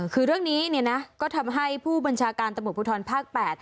คือเรื่องนี้เนี่ยนะก็ทำให้ผู้บัญชาการตำรวจภูทรภาค๘